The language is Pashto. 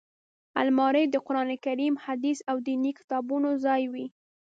الماري د قران کریم، حدیث او ديني کتابونو ځای وي